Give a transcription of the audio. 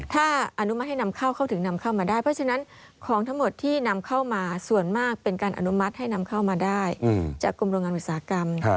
ถ้าอนุมัติให้นำเข้าเข้าถึงนำเข้ามาได้เพราะฉะนั้นของทั้งหมดที่นำเข้ามาส่วนมากเป็นการอนุมัติให้นำเข้ามาได้จากกรมโรงงานอุตสาหกรรม